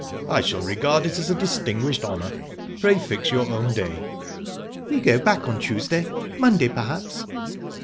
"I shall regard it as a distinguished honour. Pray fix your own day." "We go back on Tuesday. Monday perhaps...?"